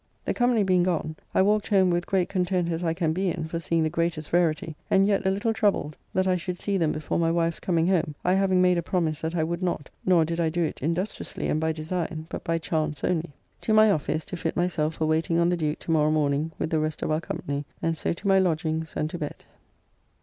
The company being gone I walked home with great content as I can be in for seeing the greatest rarity, and yet a little troubled that I should see them before my wife's coming home, I having made a promise that I would not, nor did I do it industriously and by design, but by chance only. To my office, to fit myself for waiting on the Duke to morrow morning with the rest of our company, and so to my lodgings and to bed.